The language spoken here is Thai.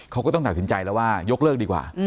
เขาก็ต้องตัดสินใจแล้วว่ายกเลิกดีกว่า